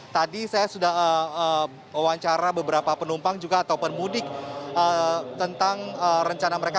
tadi saya sudah wawancara beberapa penumpang juga atau pemudik tentang rencana mereka